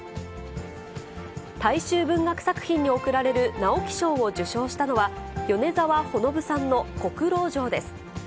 大衆文学作品に贈られる直木賞を受賞したのは、米澤穂信さんのこくろうじょうです。